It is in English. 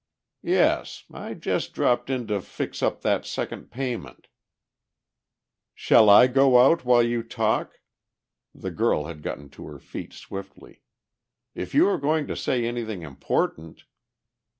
"Yes. I just dropped in to fix up that second payment." "Shall I go out while you talk?" The girl had gotten to her feet swiftly. "If you are going to say anything important